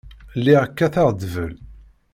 Lliɣ kkateɣ ḍḍbel.